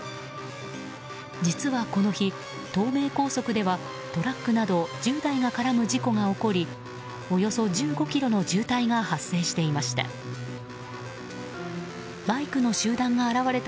実はこの日、東名高速ではトラックなど１０台が絡む事故が起こりおよそ１５ｋｍの渋滞が発生していました。